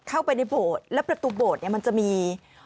เข้าไปในโบสถ์และประตูโบสถเนี่ยมันจะมี